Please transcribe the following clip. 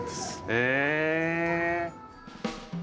へえ。